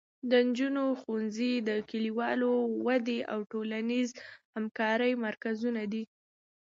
د نجونو ښوونځي د کلیوالو ودې او ټولنیزې همکارۍ مرکزونه دي.